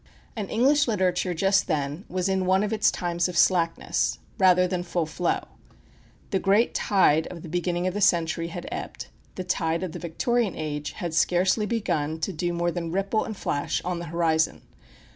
And English literature just then was in one of its times of slackness, rather than full flow. The great tide of the beginning of the century had ebbed. The tide of the Victorian age had scarcely begun to do more than ripple and flash on the horizon.